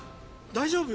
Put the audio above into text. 大丈夫？